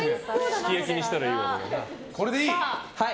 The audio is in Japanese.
すき焼きにしたらいいよね。